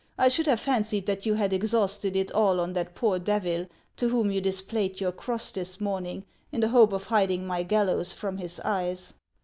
I should have fancied that you had exhausted it all on that poor devil to whom you displayed your cross this morning in the hope of hiding my gallows from his eyes."